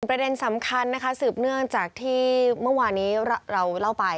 ประเด็นสำคัญนะคะสืบเนื่องจากที่เมื่อวานี้เราเล่าไป